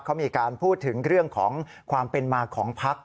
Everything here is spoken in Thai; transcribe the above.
เขามีการพูดถึงเรื่องของความเป็นมาของพัก